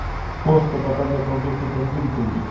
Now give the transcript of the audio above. پوست د بدن د تودوخې تنظیم کوي.